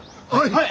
はい。